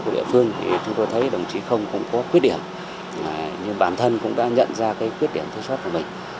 đồng chí không cũng có quyết điểm nhưng bản thân cũng đã nhận ra quyết điểm thiếu soát của mình